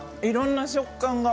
いろんな食感が。